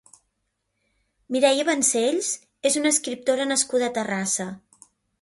Mireia Vancells és una escriptora nascuda a Terrassa.